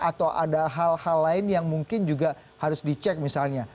atau ada hal hal lain yang mungkin juga harus dicek misalnya